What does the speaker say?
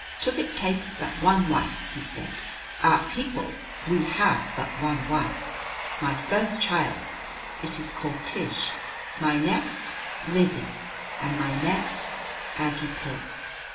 "Tufik takes but one wife," he said. "Our people we have but one wife. My first child it is called Tish; my next, Lizzie; and my next, Aggie Pilk.